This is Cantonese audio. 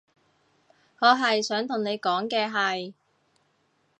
我係想同你講嘅係